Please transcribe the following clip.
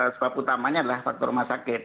sebab utamanya adalah faktor rumah sakit